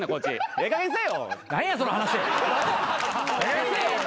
ええかげんにせえ！